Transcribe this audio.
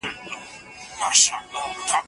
موږ باید د ځنګلونو په ساتنه کې برخه واخلو.